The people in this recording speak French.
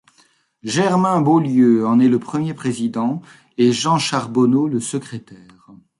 Germain Beaulieu en est le premier président et Jean Charbonneau, le secrétaire.